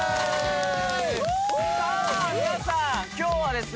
さあ皆さん今日はですね